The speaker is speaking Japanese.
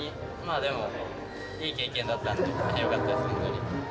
でもいい経験だったので良かったです。